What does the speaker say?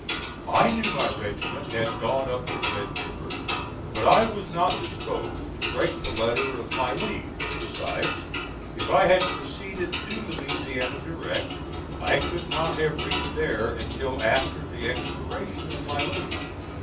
I knew my regiment had gone up the Red River, but I was not disposed to break the letter of my leave; besides, if I had proceeded to Louisiana direct, I could not have reached there until after the expiration of my leave.